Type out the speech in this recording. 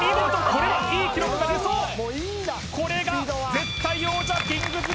これはいい記録が出そうこれが絶対王者キングズ